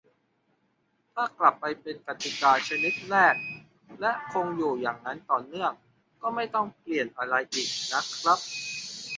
ถ้ากลับไปเป็นกติกาชนิดแรก และคงอยู่อย่างนั้นต่อเนื่อง ก็ไม่ต้องเปลี่ยนอะไรอีกนะครับ